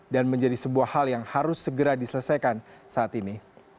dan menjadi sebuah hal yang harus segera diselesaikan saat ini